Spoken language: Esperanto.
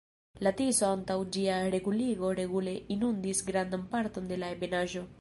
La Tiso antaŭ ĝia reguligo regule inundis grandan parton de la Ebenaĵo.